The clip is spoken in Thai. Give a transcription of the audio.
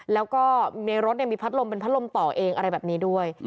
แล้วก็ในรถมีพัดลมเป็นพัดลมต่อเองอะไรแบบนี้ด้วย